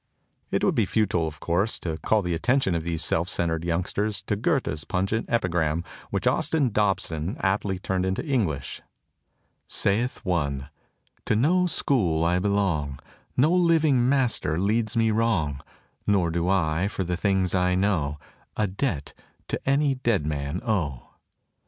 It would be futile, of course, to call the atten tion of these self centered youngsters to Goethe's pungent epigram which Austin Dobson aptly turned into English: Saith one: "To no school I belong; No living Master leads me wrong; Nor do I, for the things I know, A debt to any dead man owe."